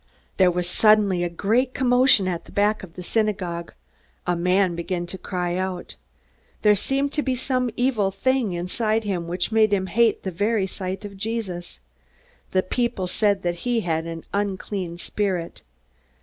There was suddenly a great commotion at the back of the synagogue. A man began to cry out. There seemed to be some evil thing inside him, which made him hate the very sight of Jesus. The people said that he had "an unclean spirit."